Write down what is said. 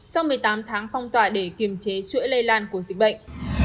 sau một mươi tám tháng phong tỏa để kiềm chế chuỗi lây lan của dịch bệnh